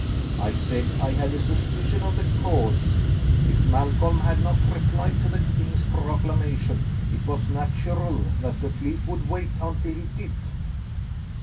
I said I had a suspicion of the cause. If Malcolm had not replied to the king's proclamation it was natural that the fleet would wait until he did.